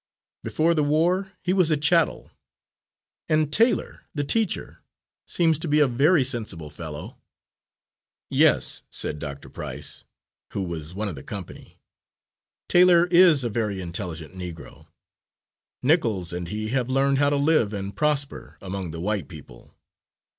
Before the war he was a chattel. And Taylor, the teacher, seems to be a very sensible fellow." "Yes," said Dr. Price, who was one of the company, "Taylor is a very intelligent Negro. Nichols and he have learned how to live and prosper among the white people."